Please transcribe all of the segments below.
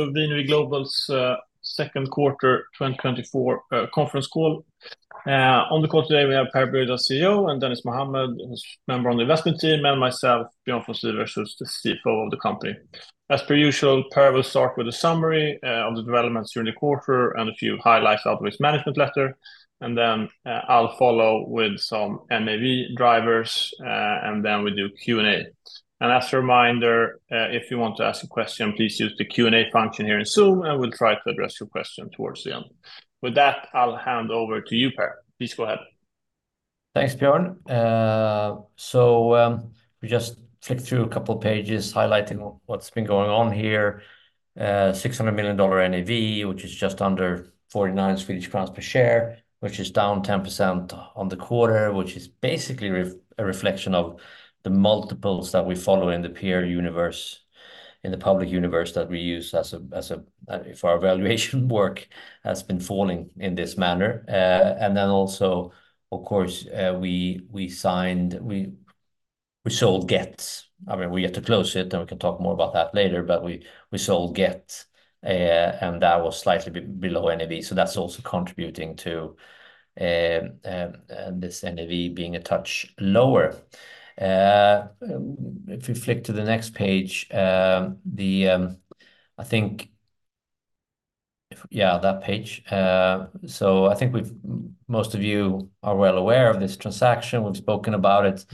of the VNV Global's second quarter 2024 conference call. On the call today, we have Per Brilioth, CEO, and Dennis Mohammad, who's member on the investment team, and myself, Björn Forslind, who's the CFO of the company. As per usual, Per will start with a summary of the developments during the quarter and a few highlights out of his management letter, and then, I'll follow with some NAV drivers, and then we do Q&A. As a reminder, if you want to ask a question, please use the Q&A function here in Zoom, and we'll try to address your question towards the end. With that, I'll hand over to you, Per. Please go ahead. Thanks, Björn. So, we just flicked through a couple pages highlighting what's been going on here. $600 million NAV, which is just under 49 Swedish crowns per share, which is down 10% on the quarter, which is basically a reflection of the multiples that we follow in the peer universe, in the public universe, that we use as a for our valuation work, has been falling in this manner. And then also, of course, we sold Gett. I mean, we had to close it, and we can talk more about that later, but we sold Gett, and that was slightly below NAV. So that's also contributing to this NAV being a touch lower. If we flick to the next page, I think, yeah, that page. So I think most of you are well aware of this transaction. We've spoken about it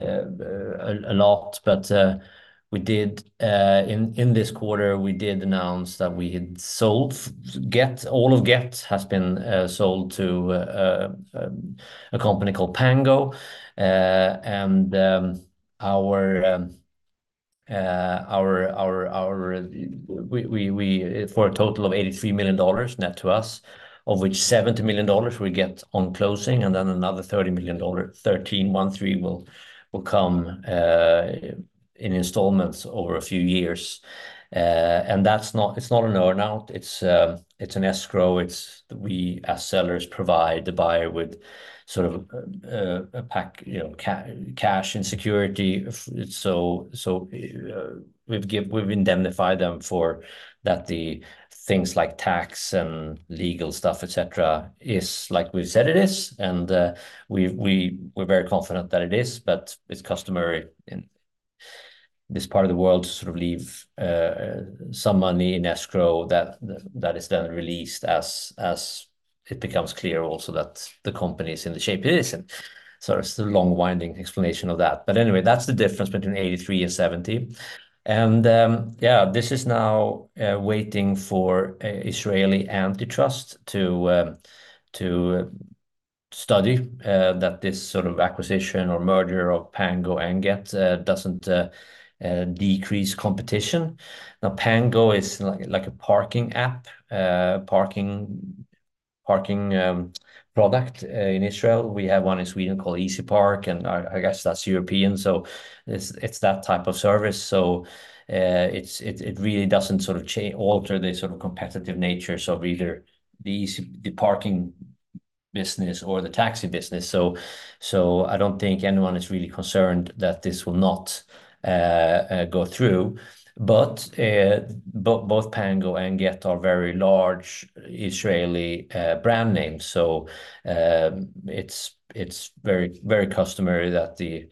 a lot, but in this quarter, we did announce that we had sold Gett. All of Gett has been sold to a company called Pango. And for a total of $83 million net to us, of which $70 million we get on closing, and then another $13 million will come in installments over a few years. And that's not, it's not an earn-out, it's an escrow. It's we as sellers provide the buyer with sort of a pack, you know, cash and security. We've indemnified them for that, the things like tax and legal stuff, et cetera, is like we've said it is, and we're very confident that it is, but it's customary in this part of the world to sort of leave some money in escrow that is then released as it becomes clear also that the company is in the shape it is. And so it's a long, winding explanation of that. But anyway, that's the difference between $83 and $70. And yeah, this is now waiting for an Israeli antitrust to study that this sort of acquisition or merger of Pango and Gett doesn't decrease competition. Now, Pango is like a parking app, parking product in Israel. We have one in Sweden called EasyPark, and I guess that's European, so it's that type of service. So, it's really doesn't sort of alter the sort of competitive nature of either the parking business or the taxi business. So I don't think anyone is really concerned that this will not go through. But both Pango and Gett are very large Israeli brand names. So, it's very, very customary that the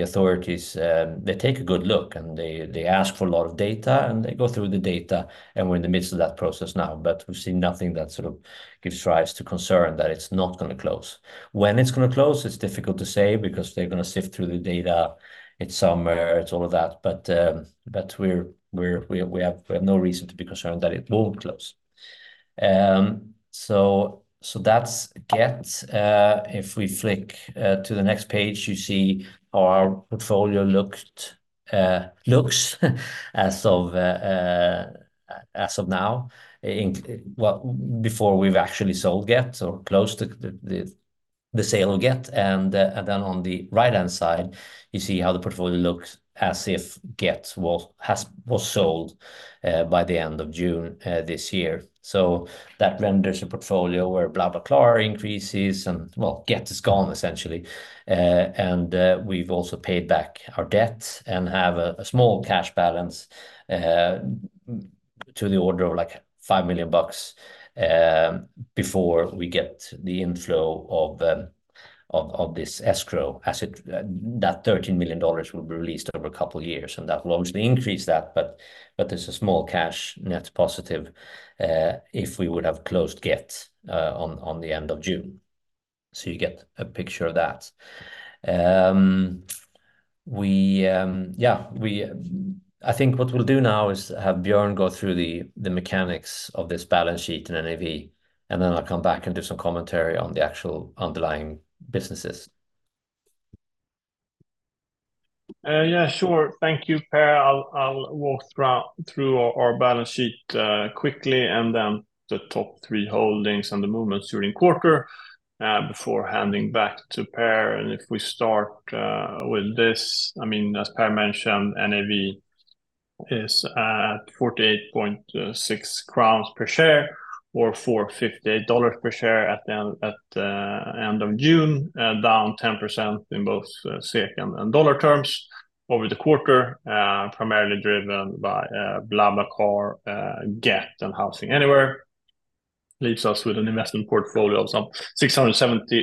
authorities they take a good look, and they ask for a lot of data, and they go through the data, and we're in the midst of that process now. But we've seen nothing that sort of gives rise to concern that it's not gonna close. When it's gonna close, it's difficult to say, because they're gonna sift through the data. It's summer, it's all of that, but, but we have no reason to be concerned that it won't close. So, so that's Gett. If we flick to the next page, you see how our portfolio looks, as of, as of now, in... Well, before we've actually sold Gett or closed the sale of Gett. And, and then on the right-hand side, you see how the portfolio looks as if Gett was sold, by the end of June, this year. So that renders a portfolio where BlaBlaCar increases and, well, Gett is gone, essentially. And we've also paid back our debt and have a small cash balance to the order of, like, $5 million before we get the inflow of this escrow, that $13 million will be released over a couple of years, and that will obviously increase that, but there's a small cash net positive if we would have closed Gett on the end of June. So you get a picture of that. Yeah, we, I think what we'll do now is have Björn go through the mechanics of this balance sheet and NAV, and then I'll come back and do some commentary on the actual underlying businesses. Yeah, sure. Thank you, Per. I'll walk through our balance sheet quickly, and then the top three holdings and the movements during quarter before handing back to Per. And if we start with this, I mean, as Per mentioned, NAV is at 48.6 crowns per share or $4.58 per share at the end of June, down 10% in both SEK and dollar terms over the quarter. Primarily driven by BlaBlaCar, Gett, and HousingAnywhere. Leaves us with an investment portfolio of some $670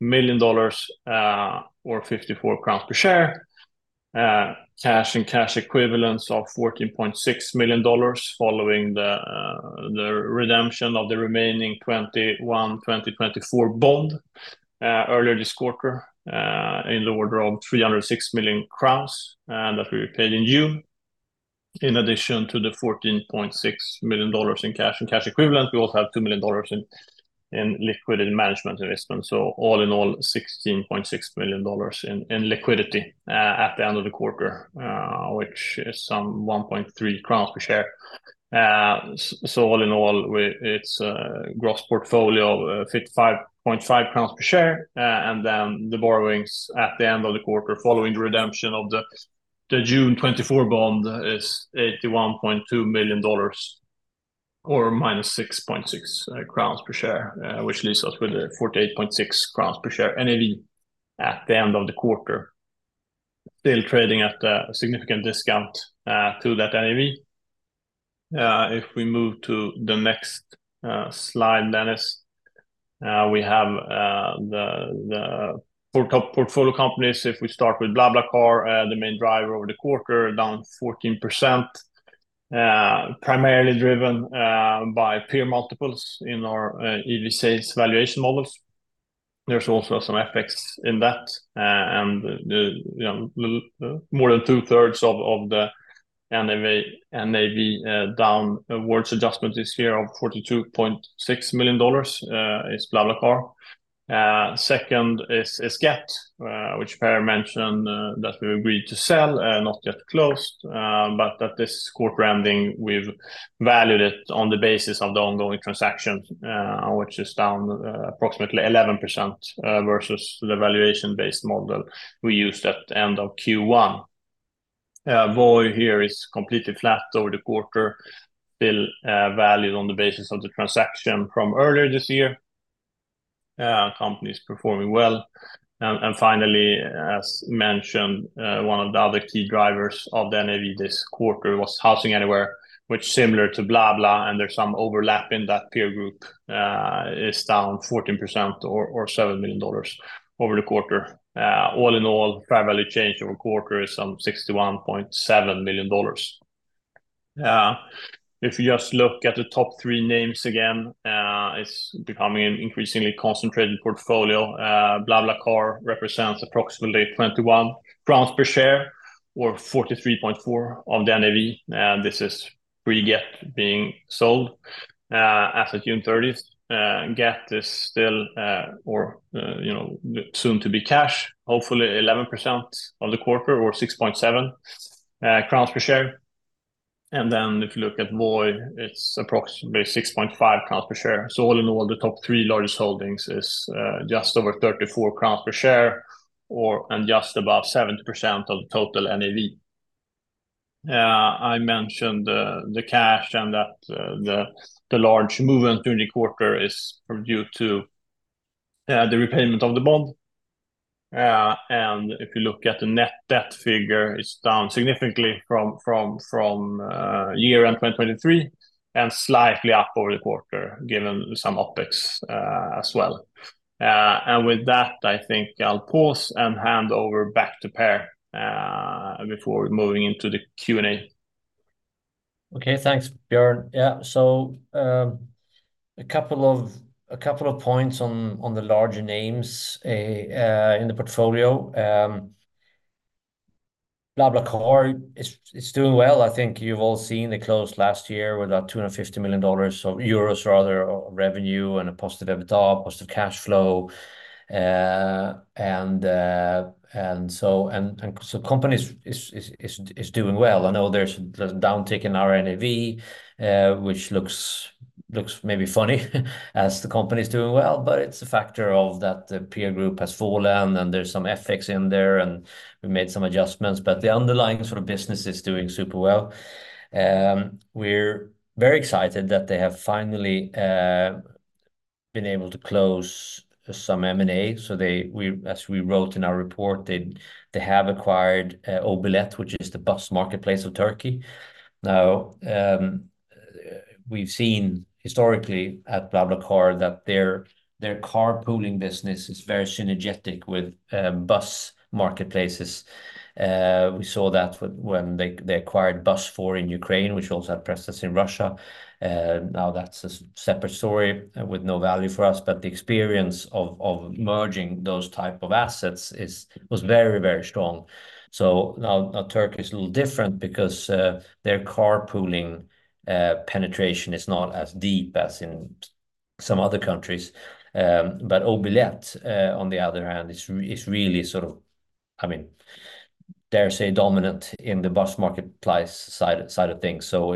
million or 54 crowns per share. Cash and cash equivalents of $14.6 million, following the redemption of the remaining 2021-2024 bond earlier this quarter in the order of 306 million crowns, and that we paid in June. In addition to the $14.6 million in cash and cash equivalent, we also have $2 million in liquidity management investment. So all in all, $16.6 million in liquidity at the end of the quarter, which is some 1.3 crowns per share. So all in all, it's gross portfolio, 55.5 crowns per share. And then the borrowings at the end of the quarter, following the redemption of the June 2024 bond, is $81.2 million, or -6.6 crowns per share, which leaves us with a 48.6 crowns per share NAV at the end of the quarter. Still trading at a significant discount to that NAV. If we move to the next slide, Dennis, we have the portfolio companies. If we start with BlaBlaCar, the main driver over the quarter, down 14%. Primarily driven by peer multiples in our EV/sales valuation models. There's also some effects in that, and you know, more than two-thirds of the NAV downwards adjustment this year of $42.6 million is BlaBlaCar. Second is Gett, which Per mentioned, that we agreed to sell, not yet closed. But at this quarter ending, we've valued it on the basis of the ongoing transaction, which is down approximately 11% versus the valuation-based model we used at the end of Q1. Voi here is completely flat over the quarter, still valued on the basis of the transaction from earlier this year. Company's performing well. And finally, as mentioned, one of the other key drivers of the NAV this quarter was HousingAnywhere, which similar to BlaBla, and there's some overlap in that peer group, is down 14% or $7 million over the quarter. All in all, fair value change over quarter is some $61.7 million. If you just look at the top three names again, it's becoming an increasingly concentrated portfolio. BlaBlaCar represents approximately 21 SEK per share, or 43.4% of the NAV, and this is pre-Gett being sold. As at June thirtieth, Gett is still, or, you know, soon to be cash, hopefully 11% of the quarter or 6.7 crowns per share. And then if you look at Voi, it's approximately 6.5 crowns per share. So all in all, the top three largest holdings is, just over 34 crowns per share, or, and just above 70% of the total NAV. I mentioned, the cash and that, the, the large movement during the quarter is due to, the repayment of the bond. And if you look at the net debt figure, it's down significantly from year-end 2023, and slightly up over the quarter, given some OpEx, as well. And with that, I think I'll pause and hand over back to Per, before moving into the Q&A. Okay. Thanks, Björn. Yeah, so, a couple of points on the larger names in the portfolio. BlaBlaCar is doing well. I think you've all seen they closed last year with about 250 million euros revenue and a positive EBITDA, positive cash flow. And so company is doing well. I know there's a downtick in our NAV, which looks maybe funny, as the company's doing well, but it's a factor of that the peer group has fallen, and there's some FX in there, and we've made some adjustments. But the underlying sort of business is doing super well. We're very excited that they have finally been able to close some M&A. So, as we wrote in our report, they have acquired Obilet, which is the bus marketplace of Turkey. Now, we've seen historically at BlaBlaCar that their carpooling business is very synergetic with bus marketplaces. We saw that when they acquired Busfor in Ukraine, which also had presence in Russia. Now that's a separate story, with no value for us, but the experience of merging those type of assets was very, very strong. So now Turkey is a little different because their carpooling penetration is not as deep as in some other countries. But Obilet, on the other hand, is really I mean, dare say, dominant in the bus marketplace side of things. So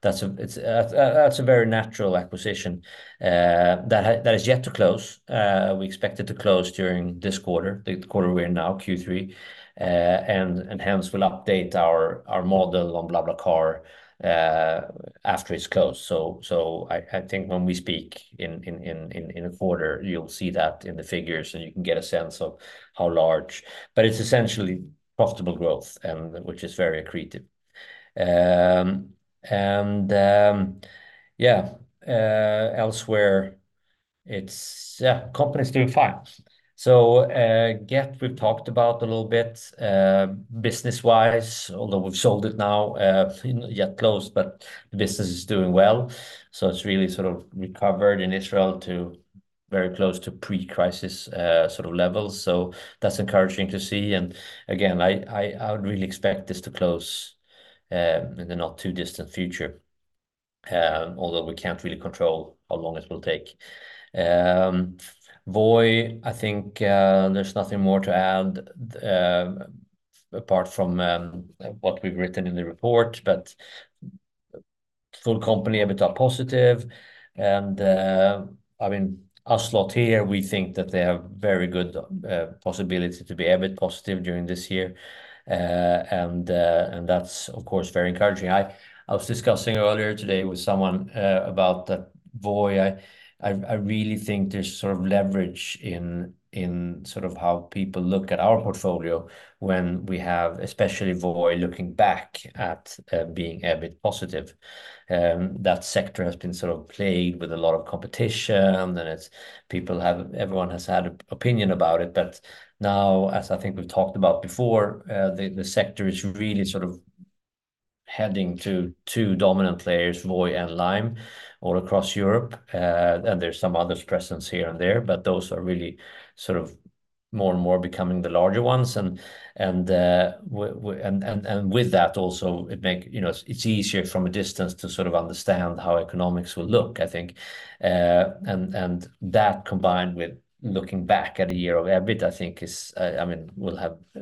that's a very natural acquisition that is yet to close. We expect it to close during this quarter, the quarter we're in now, Q3. And hence we'll update our model on BlaBlaCar after it's closed. So I think when we speak in a quarter, you'll see that in the figures, and you can get a sense of how large. But it's essentially profitable growth, and which is very accretive. And elsewhere, it's, yeah, company's doing fine. So Gett, we've talked about a little bit, business-wise, although we've sold it now, not yet closed, but the business is doing well. So it's really sort of recovered in Israel to very close to pre-crisis sort of levels. So that's encouraging to see. Again, I would really expect this to close in the not-too-distant future, although we can't really control how long it will take. Voi, I think, there's nothing more to add, apart from what we've written in the report. But full company EBITDA positive, and I mean, us lot here, we think that they have very good possibility to be EBIT positive during this year. And that's, of course, very encouraging. I was discussing earlier today with someone about that Voi. I really think there's sort of leverage in sort of how people look at our portfolio when we have, especially Voi, looking back at being EBIT positive. That sector has been sort of plagued with a lot of competition, and it's... People have, everyone has had an opinion about it. But now, as I think we've talked about before, the sector is really sort of heading to two dominant players, Voi and Lime, all across Europe. And there's some others presence here and there, but those are really sort of more and more becoming the larger ones. And with that, also, it make, you know, it's easier from a distance to sort of understand how economics will look, I think. And that, combined with looking back at a year of EBIT, I think is, I mean, will have a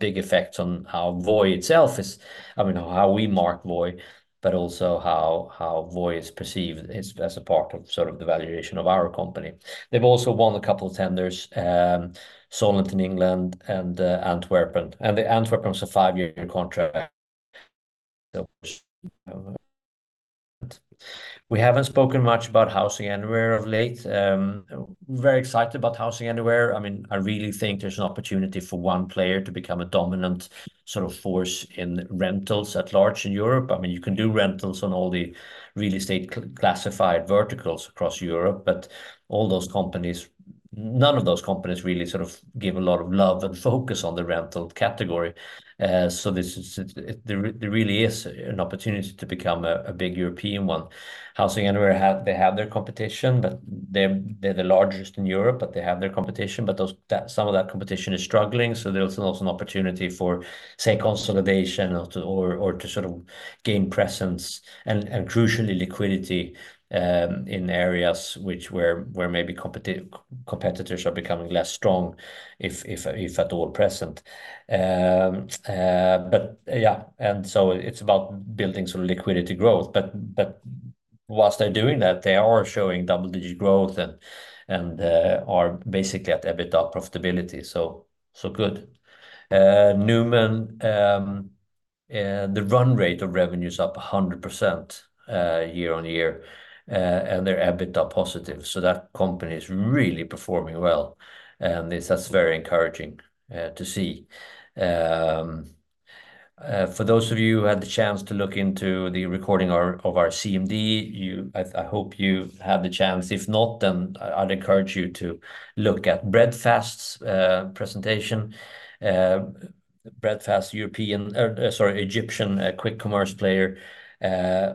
big effect on how Voi itself is, I mean, how we mark Voi, but also how Voi is perceived as a part of sort of the valuation of our company. They've also won a couple tenders, Solent in England and Antwerp. And the Antwerp one's a five-year contract, so... We haven't spoken much about HousingAnywhere of late. Very excited about HousingAnywhere. I mean, I really think there's an opportunity for one player to become a dominant sort of force in rentals at large in Europe. I mean, you can do rentals on all the real estate classified verticals across Europe, but all those companies, none of those companies really sort of give a lot of love and focus on the rental category. So this is it. There really is an opportunity to become a big European one. HousingAnywhere have, they have their competition, but they're the largest in Europe, but they have their competition. But some of that competition is struggling, so there's also an opportunity for, say, consolidation or to sort of gain presence, and crucially, liquidity in areas where maybe competitors are becoming less strong, if at all present. But yeah, and so it's about building sort of liquidity growth. But whilst they're doing that, they are showing double-digit growth and are basically at EBITDA profitability, so good. Numan, the run rate of revenue is up 100%, year-on-year. And they're EBITDA positive, so that company is really performing well, and this is very encouraging to see. For those of you who had the chance to look into the recording of our CMD, I hope you had the chance. If not, then I'd encourage you to look at Breadfast's presentation. Breadfast, European, or, sorry, Egyptian quick commerce player,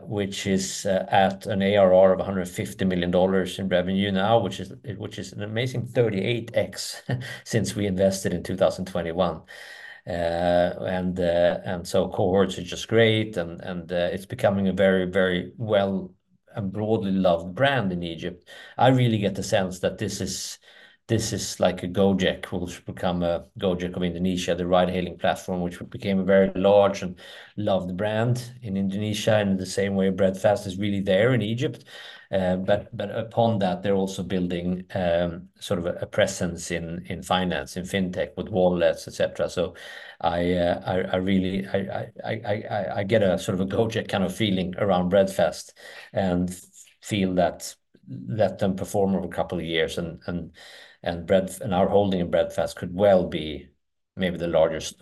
which is at an ARR of $150 million in revenue now, which is an amazing 38x since we invested in 2021. And so cohorts are just great, and it's becoming a very, very well and broadly loved brand in Egypt. I really get the sense that this is like a Gojek, which become a Gojek of Indonesia, the ride-hailing platform, which became a very large and loved brand in Indonesia, in the same way Breadfast is really there in Egypt. But upon that, they're also building sort of a presence in finance, in fintech, with wallets, et cetera. So I get a sort of a Gojek kind of feeling around Breadfast and feel that, let them perform over a couple of years, and our holding in Breadfast could well be maybe the largest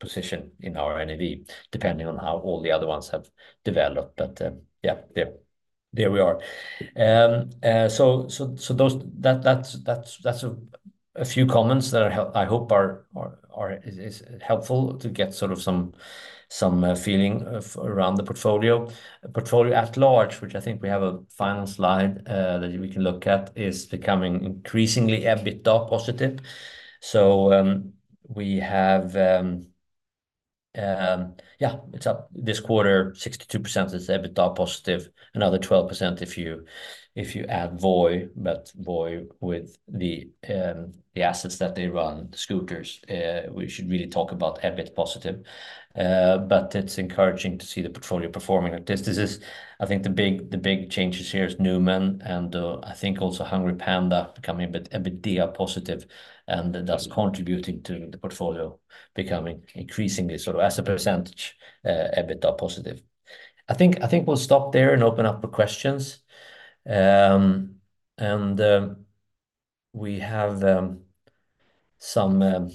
position in our NAV, depending on how all the other ones have developed. But, yeah, there we are. So, that's a few comments that I hope are helpful to get sort of some feeling around the portfolio at large, which I think we have a final slide that we can look at, is becoming increasingly EBITDA positive. So, we have... yeah, it's up. This quarter, 62% is EBITDA positive, another 12% if you add Voi, but Voi with the assets that they run, the scooters, we should really talk about EBIT positive. But it's encouraging to see the portfolio performing like this. This is, I think the big changes here is Numan and I think also HungryPanda becoming a bit EBITDA positive, and thus contributing to the portfolio becoming increasingly, sort of as a percentage, EBITDA positive. I think we'll stop there and open up for questions. And we have some...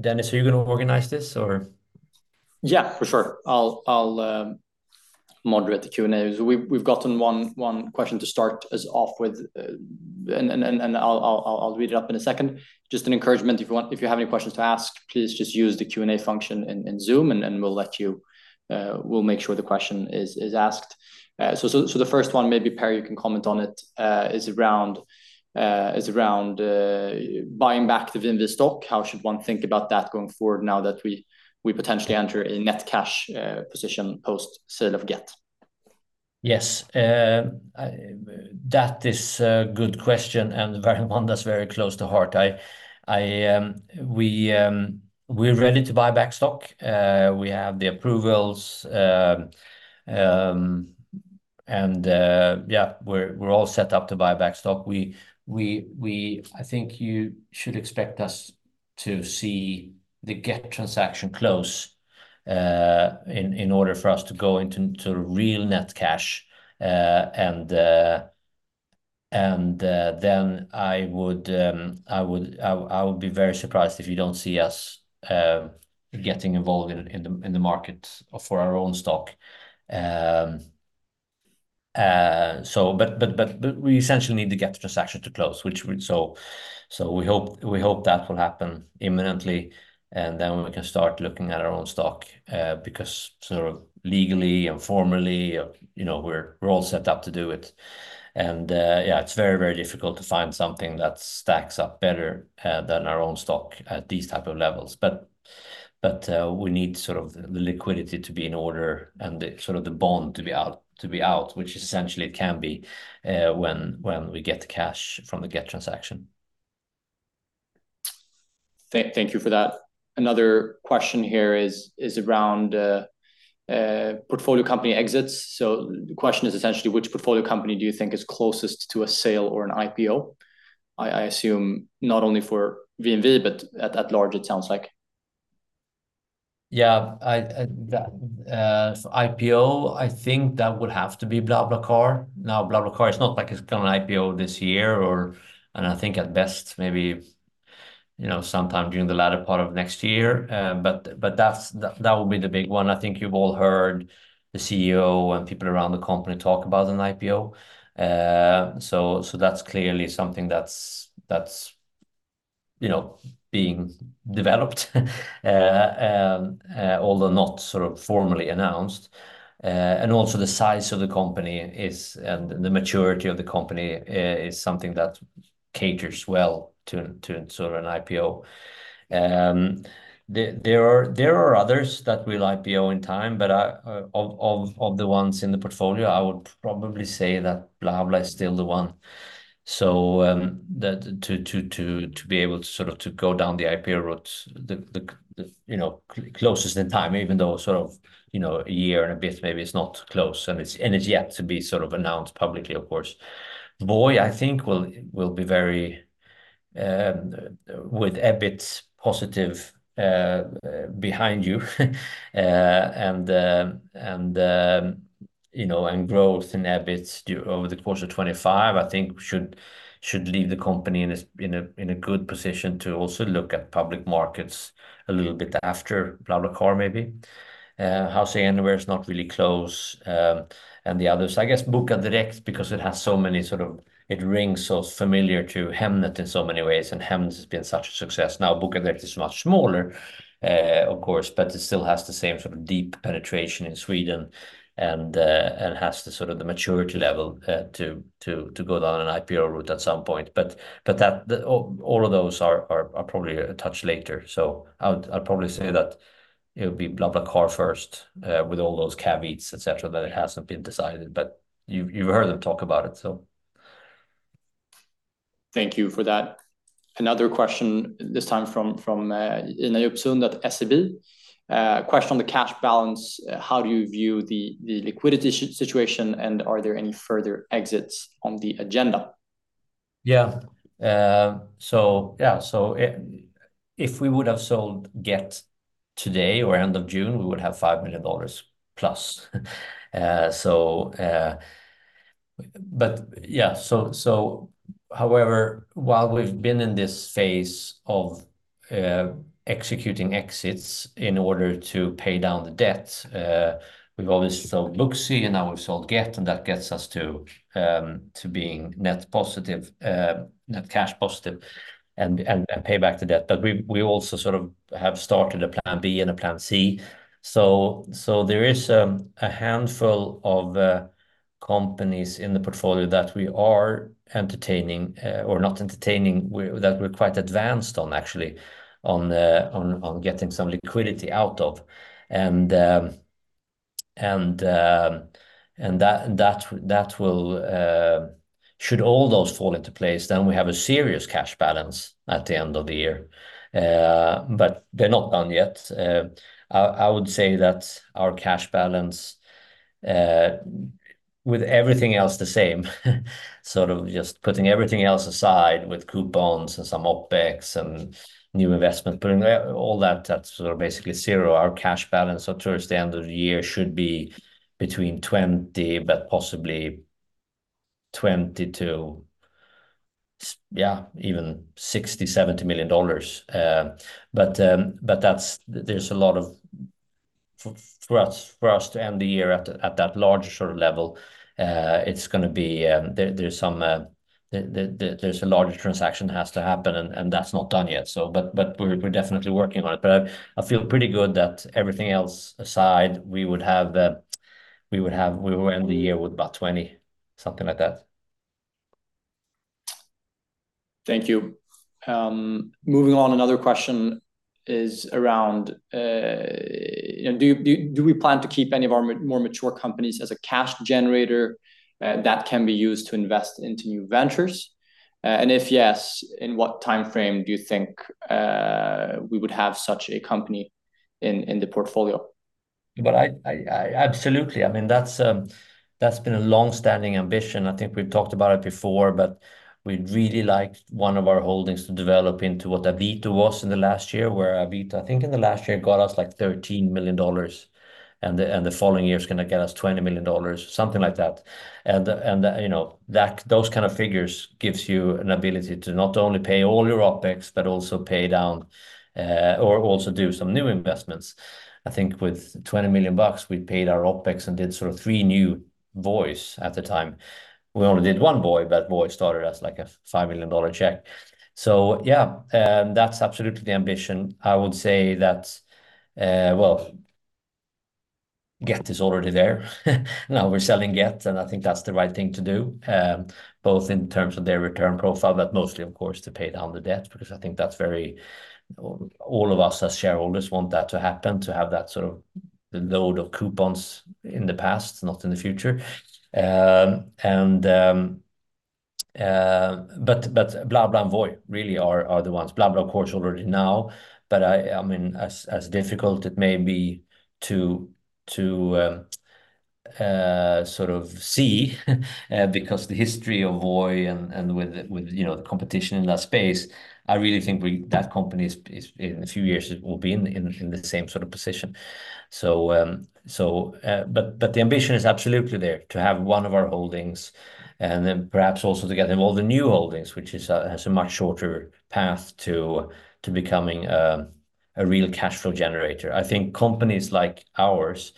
Dennis, are you gonna organize this or? Yeah, for sure. I'll moderate the Q&A. We've gotten one question to start us off with, and I'll read it up in a second. Just an encouragement, if you have any questions to ask, please just use the Q&A function in Zoom, and we'll let you... We'll make sure the question is asked. So the first one, maybe Per, you can comment on it, is around buying back the VNV stock. How should one think about that going forward now that we potentially enter a net cash position post-sale of Gett? Yes. That is a good question, and one that's very close to heart. We're ready to buy back stock. We have the approvals, and yeah, we're all set up to buy back stock. I think you should expect us to see the Gett transaction close, in order for us to go into real net cash. And then I would be very surprised if you don't see us getting involved in the market for our own stock. We essentially need the Gett transaction to close, which would... So, so we hope, we hope that will happen imminently, and then we can start looking at our own stock, because sort of legally and formally, you know, we're, we're all set up to do it. And, yeah, it's very, very difficult to find something that stacks up better, than our own stock at these type of levels. But, but, we need sort of the liquidity to be in order and the, sort of the bond to be out, to be out, which essentially it can be, when, when we get the cash from the Gett transaction. Thank you for that. Another question here is around portfolio company exits. So the question is essentially, which portfolio company do you think is closest to a sale or an IPO? I assume not only for VNV, but at large, it sounds like. Yeah. I think that would have to be BlaBlaCar. Now, BlaBlaCar, it's not like it's gonna IPO this year or... And I think at best, maybe, you know, sometime during the latter part of next year. But that will be the big one. I think you've all heard the CEO and people around the company talk about an IPO. So that's clearly something that's, you know, being developed, although not sort of formally announced. And also the size of the company is, and the maturity of the company, is something that caters well to sort of an IPO. There are others that will IPO in time, but of the ones in the portfolio, I would probably say that BlaBla is still the one. So, to be able to sort of go down the IPO route, you know, closest in time, even though sort of, you know, a year and a bit, maybe it's not close and it's yet to be sort of announced publicly, of course. Voi, I think will be very with EBIT positive behind you, and you know, and growth in EBIT over the course of 2025, I think should leave the company in a good position to also look at public markets a little bit after BlaBlaCar, maybe. HousingAnywhere is not really close, and the others. I guess Bokadirekt, because it has so many sort of... It rings so familiar to Hemnet in so many ways, and Hemnet has been such a success. Now, Bokadirekt is much smaller, of course, but it still has the same sort of deep penetration in Sweden and has the sort of the maturity level to go down an IPO route at some point. But that, all of those are probably a touch later. So I'd probably say that it would be BlaBlaCar first, with all those caveats, et cetera, that it hasn't been decided, but you've heard them talk about it, so. Thank you for that. Another question, this time from Inna Ohlsson at SEB. Question on the cash balance. How do you view the liquidity situation, and are there any further exits on the agenda? Yeah. So yeah, so if, if we would have sold Gett today or end of June, we would have $5 million plus. So, but yeah, so, so however, while we've been in this phase of executing exits in order to pay down the debt, we've obviously sold Booksy, and now we've sold Gett, and that gets us to being net positive, net cash positive and pay back the debt. But we, we also sort of have started a plan B and a plan C. So, so there is a handful of companies in the portfolio that we are entertaining, or not entertaining, that we're quite advanced on actually, on getting some liquidity out of. That will, should all those fall into place, then we have a serious cash balance at the end of the year. But they're not done yet. I would say that our cash balance, with everything else the same, sort of just putting everything else aside with coupons and some OpEx and new investment, putting all that, that's sort of basically zero. Our cash balance towards the end of the year should be between $20 million, but possibly $20 million to, yeah, even $60-$70 million. But that's—there's a lot of... For us to end the year at that larger sort of level, it's gonna be, there's some, the, there's a larger transaction has to happen, and that's not done yet. But we're definitely working on it. But I feel pretty good that everything else aside, we would end the year with about 20, something like that. Thank you. Moving on, another question is around, you know, do we plan to keep any of our more mature companies as a cash generator that can be used to invest into new ventures? And if yes, in what timeframe do you think we would have such a company in the portfolio? But I absolutely. I mean, that's been a long-standing ambition. I think we've talked about it before, but we'd really like one of our holdings to develop into what Avito was in the last year, where Avito, I think in the last year, got us, like, $13 million, and the following year is going to get us $20 million, something like that. And, you know, those kind of figures gives you an ability to not only pay all your OpEx, but also pay down, or also do some new investments. I think with $20 million, we paid our OpEx and did sort of three new Voi at the time. We only did one Voi, but Voi started as, like, a $5 million check. So yeah, that's absolutely the ambition. I would say that, well, Gett is already there. Now we're selling Gett, and I think that's the right thing to do, both in terms of their return profile, but mostly, of course, to pay down the debt, because I think that's very... All of us as shareholders want that to happen, to have that sort of the load of coupons in the past, not in the future. But BlaBlaCar and Voi really are the ones. BlaBlaCar, of course, already now, but I mean, as difficult it may be to sort of see, because the history of Voi and with the, with, you know, the competition in that space, I really think that company is, in a few years, it will be in the same sort of position. But the ambition is absolutely there, to have one of our holdings, and then perhaps also to get all the new holdings, which has a much shorter path to becoming a real cash flow generator. I think companies like ours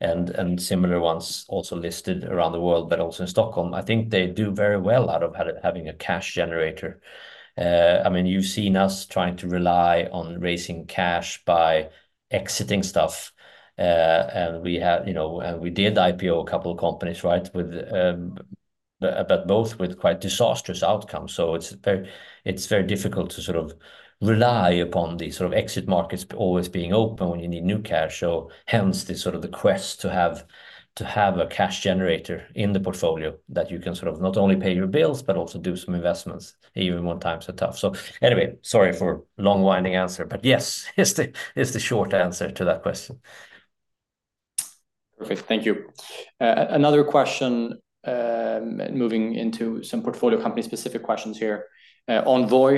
and similar ones also listed around the world, but also in Stockholm, I think they do very well out of having a cash generator. I mean, you've seen us trying to rely on raising cash by exiting stuff, and we have, you know. And we did IPO a couple of companies, right? With, but both with quite disastrous outcomes. So it's very difficult to sort of rely upon the sort of exit markets always being open when you need new cash. So hence, the sort of quest to have a cash generator in the portfolio that you can sort of not only pay your bills, but also do some investments, even when times are tough. So anyway, sorry for long, winding answer, but yes, is the short answer to that question. Perfect. Thank you. Another question, moving into some portfolio company-specific questions here. On Voi,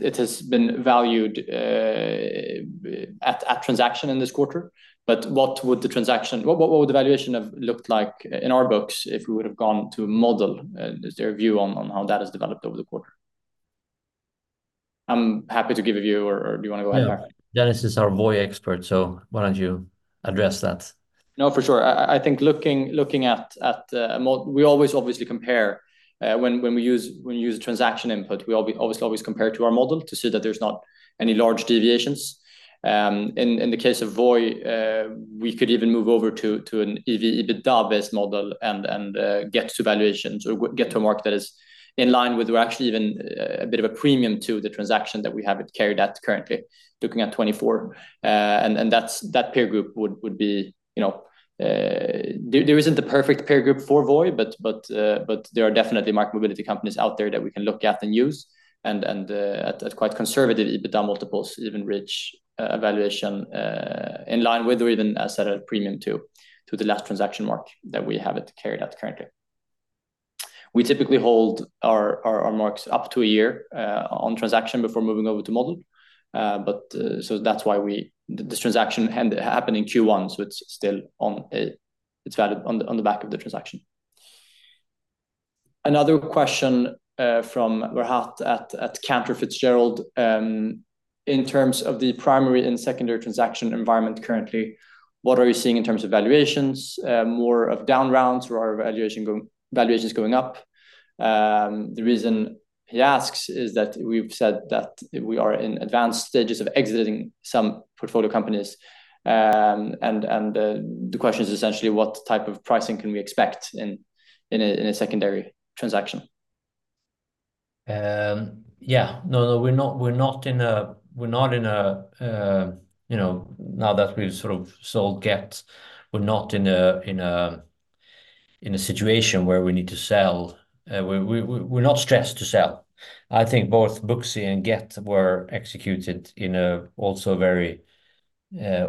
it has been valued at transaction in this quarter, but what would the valuation have looked like in our books if we would have gone to model? Is there a view on how that has developed over the quarter? I'm happy to give a view, or do you want to go ahead? Yeah. Dennis is our Voi expert, so why don't you address that? No, for sure. I think looking at, we always obviously compare when we use a transaction input, we always obviously compare to our model to see that there's not any large deviations. In the case of Voi, we could even move over to an EV-EBITDA-based model and get to valuations or get to a mark that is in line with or actually even a bit of a premium to the transaction that we have it carried at currently, looking at 2024. And that's, that peer group would be, you know... There isn't the perfect peer group for Voi, but there are definitely micro-mobility companies out there that we can look at and use, and at quite conservative EBITDA multiples, even reach a valuation in line with or even a set of premium to the last transaction mark that we have it carried out currently. We typically hold our marks up to a year on transaction before moving over to model. So that's why we... This transaction end happened in Q1, so it's still on, it's valid on the back of the transaction. Another question from Rahat at Cantor Fitzgerald: In terms of the primary and secondary transaction environment currently, what are you seeing in terms of valuations? More down rounds or are valuations going up? The reason he asks is that we've said that we are in advanced stages of exiting some portfolio companies. And the question is essentially what type of pricing can we expect in a secondary transaction? Yeah. No, no, we're not in a, you know, now that we've sort of sold Gett, we're not in a situation where we need to sell. We're not stressed to sell. I think both Booksy and Gett were executed in a also very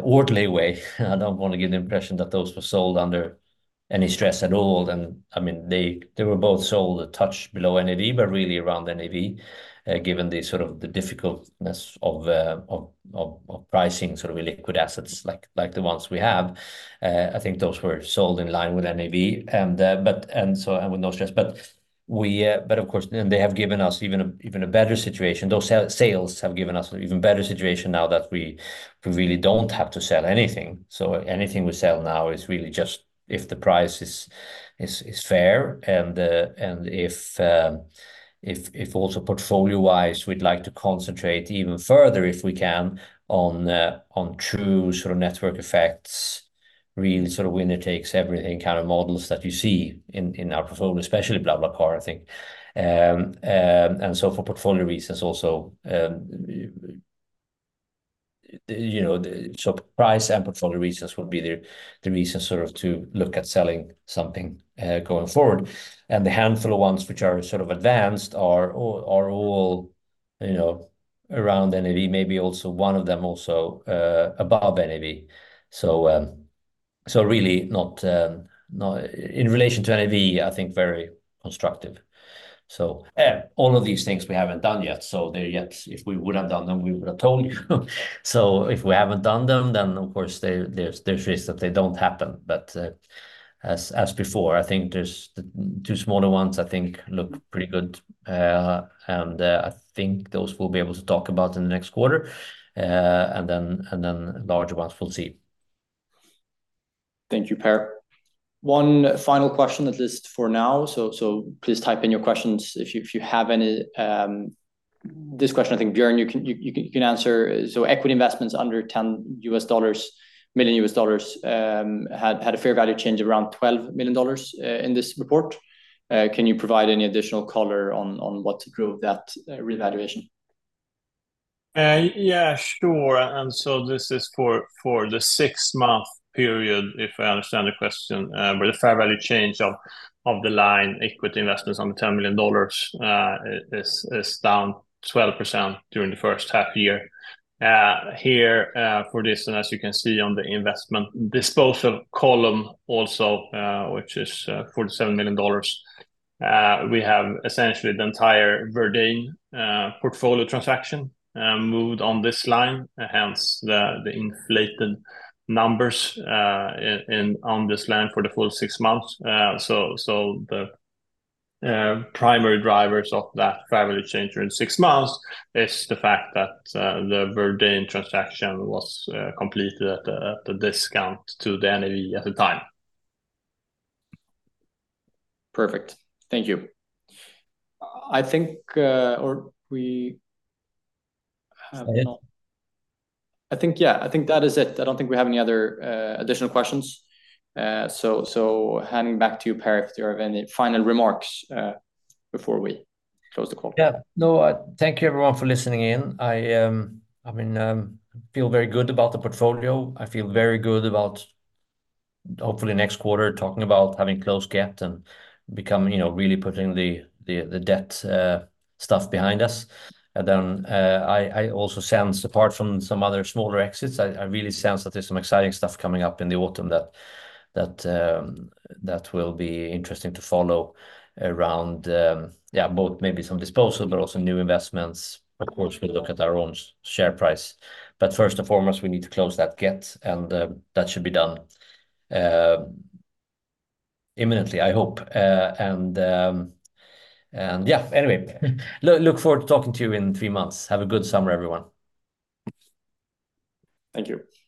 orderly way. I don't want to give the impression that those were sold under any stress at all. And I mean, they were both sold a touch below NAV, but really around NAV, given the sort of the difficultness of pricing sort of illiquid assets, like the ones we have. I think those were sold in line with NAV, and with no stress. But we... But of course, then they have given us even a better situation. Those sales have given us an even better situation now that we really don't have to sell anything. So anything we sell now is really just if the price is fair and if also portfolio-wise, we'd like to concentrate even further, if we can, on true sort of network effects, really sort of winner-takes-everything kind of models that you see in our portfolio, especially BlaBlaCar, I think. And so for portfolio reasons also, you know, so price and portfolio reasons would be the reason sort of to look at selling something going forward. The handful of ones which are sort of advanced are all, you know, around NAV, maybe also one of them also above NAV. So, so really not, not... In relation to NAV, I think very constructive. So, yeah, all of these things we haven't done yet, so they're if we would have done them, we would have told you. So if we haven't done them, then of course, there's risk that they don't happen. But, as before, I think there's the two smaller ones I think look pretty good. And I think those we'll be able to talk about in the next quarter. And then larger ones, we'll see. Thank you, Per. One final question, at least for now. So please type in your questions if you have any. This question, I think, Björn, you can answer. So equity investments under $10 million US dollars had a fair value change of around $12 million in this report. Can you provide any additional color on what drove that revaluation? Yeah, sure. And so this is for the six-month period, if I understand the question. But the fair value change of the listed equity investments on the $10 million is down 12% during the first half year. Here, for this, and as you can see on the investment disposal column also, which is $47 million, we have essentially the entire Verdane portfolio transaction moved on this line, hence the inflated numbers on this line for the full six months. So the primary drivers of that fair value change in six months is the fact that the Verdane transaction was completed at a discount to the NAV at the time. Perfect. Thank you. I think, or we have- That's it? I think, yeah, I think that is it. I don't think we have any other additional questions. So handing back to you, Per, if you have any final remarks before we close the call. Yeah. No, thank you everyone for listening in. I mean, feel very good about the portfolio. I feel very good about hopefully next quarter, talking about having closed Gett and become, you know, really putting the debt stuff behind us. And then, I also sense, apart from some other smaller exits, I really sense that there's some exciting stuff coming up in the autumn that will be interesting to follow around, yeah, both maybe some disposal, but also new investments. Of course, we'll look at our own share price, but first and foremost, we need to close that Gett, and that should be done imminently, I hope. And yeah, anyway, look forward to talking to you in three months. Have a good summer, everyone. Thank you.